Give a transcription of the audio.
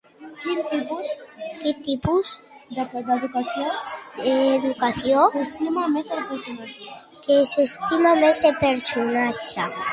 Quin tipus d'educació s'estima més el personatge?